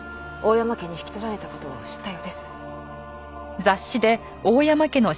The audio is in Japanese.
山家に引き取られた事を知ったようです。